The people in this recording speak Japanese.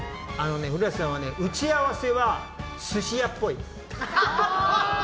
古舘さんは、打ち合わせは寿司屋っぽい。